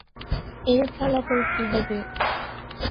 এর ফলাফল কি হবে?